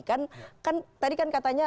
kan tadi kan katanya